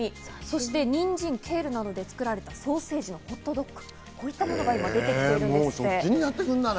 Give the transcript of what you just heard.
そしてにんじん、ケールなどで作られたソーセージのホットドックなどが出てきているんですって。